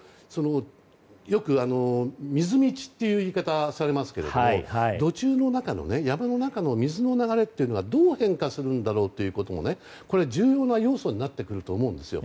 よく水みちという言い方をされますが土中の中の、藪の中の水の流れというのがどう変化するのかも重要な要素になると思うんです。